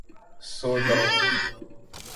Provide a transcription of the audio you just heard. سو جاؤ!